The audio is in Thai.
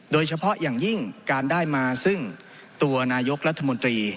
โดยเฉพาะอย่างยิ่งการได้มาซึ่งตัวนายกรัฐมนตรี